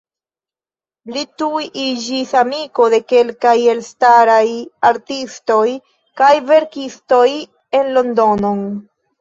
Li tuj iĝis amiko de kelkaj elstaraj artistoj kaj verkistoj en Londonon.